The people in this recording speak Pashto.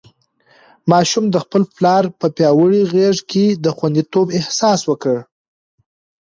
ماشوم د خپل پلار په پیاوړې غېږ کې د خونديتوب احساس وکړ.